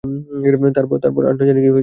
তারপর আর জানি না কী হয়েছিল।